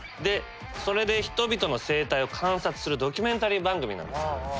それで人々の生態を観察するドキュメンタリー番組なんです。